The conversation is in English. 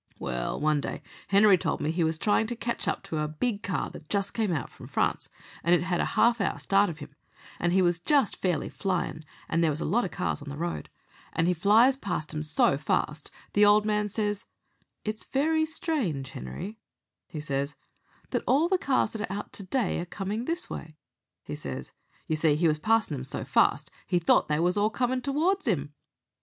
"Well, one day, Henery told me, he was tryin' to catch up a big car that just came out from France, and it had a half hour start of him, and he was just fairly flyin', and there was a lot of cars on the road, and he flies past 'em so fast the old man says, 'It's very strange, Henery,' he says, 'that all the cars that are out to day are comin' this way,' he says. You see he was passin' 'em so fast he thought they were all comin' towards him.